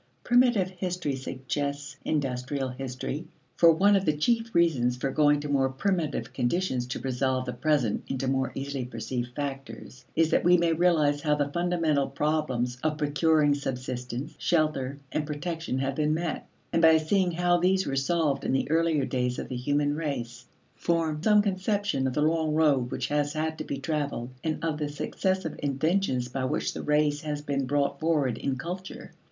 Primitive history suggests industrial history. For one of the chief reasons for going to more primitive conditions to resolve the present into more easily perceived factors is that we may realize how the fundamental problems of procuring subsistence, shelter, and protection have been met; and by seeing how these were solved in the earlier days of the human race, form some conception of the long road which has had to be traveled, and of the successive inventions by which the race has been brought forward in culture.